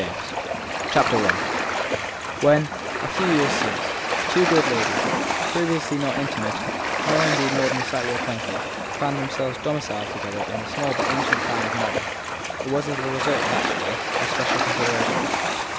THE THIRD PERSON WHEN, a few years since, two good ladies, previously not intimate nor indeed more than slightly acquainted, found themselves domiciled together in the small but ancient town of Marr, it was as a result, naturally, of special considerations.